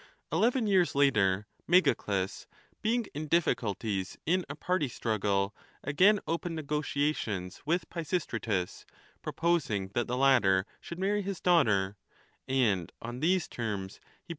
Eleven years later l Megacles, being in difficulties in a party struggle, again opened negotiations with Pisis tratus, proposing that the latter should marry his daughter ; and on these terms he brought him